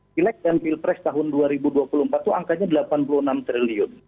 pilek dan pilpres tahun dua ribu dua puluh empat itu angkanya delapan puluh enam triliun